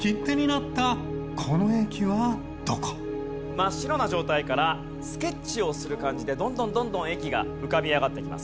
真っ白な状態からスケッチをする感じでどんどんどんどん駅が浮かび上がってきます。